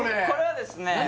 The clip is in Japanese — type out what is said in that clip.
これはですね